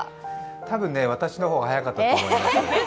多分ね、私の方が早かったと思います。